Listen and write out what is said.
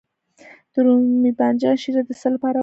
د رومي بانجان شیره د څه لپاره وکاروم؟